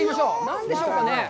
何でしょうかね。